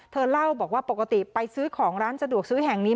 เธอเล่าบอกว่าปกติไปซื้อของร้านสะดวกซื้อแห่งนี้